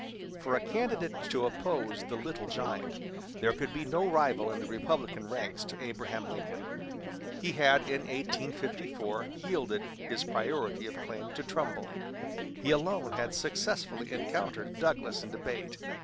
For a candidate to oppose the "Little Giant," there could be no rival in the Republican ranks to Abraham Lincoln. He had in 1854 yielded his priority of claim to Trumbull; he alone had successfully encountered Douglas in debate.